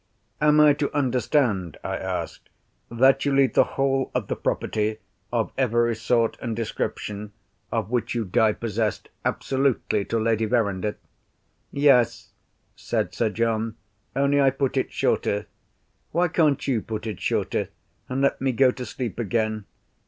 "Am I to understand," I asked, "that you leave the whole of the property, of every sort and description, of which you die possessed, absolutely to Lady Verinder?" "Yes," said Sir John. "Only, I put it shorter. Why can't you put it shorter, and let me go to sleep again?